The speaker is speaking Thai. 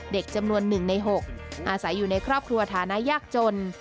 เด็กจำนวน๑ใน๖อาศัยอยู่ในครอบครัวฐานะยากจน